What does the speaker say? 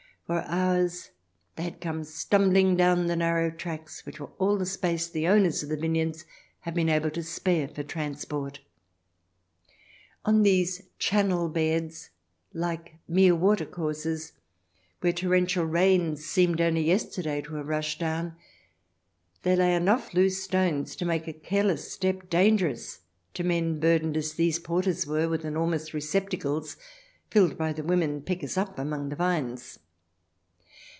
For hours they had come stumbling down the narrow tracks which were all the space the owners of the vineyards had been able to spare for transport. On these channel beds, like mere water courses, where torrential rains seemed only yester day to have rushed down, there lay enough loose stones to make a careless step dangerous to men CH. XXI] "TAKE US THE LITTLE FOXES" 313 burdened as these porters were, with enormous receptacles filled by the women pickers up among the vines.